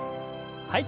はい。